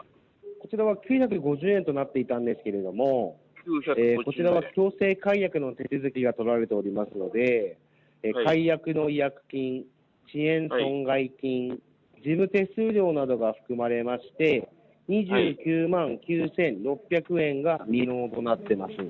こちらは９５０円となっていたんですけど、こちらが強制解約の手続きが取られておりますので、解約の違約金、遅延損害金、事務手数料などが含まれまして、２９万９６００円が未納となってます。